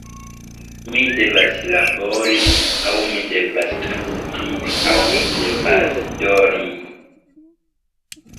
Mi devas labori, aŭ mi devas studi, aŭ mi devas dormi.